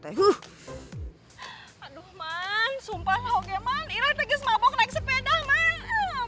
aduh man sumpah lah oke man irah tuh mabok naik sepeda man